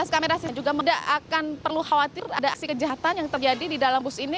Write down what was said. dua belas kamera juga tidak akan perlu khawatir ada aksi kejahatan yang terjadi di dalam bus ini